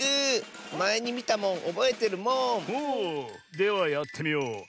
ではやってみよう。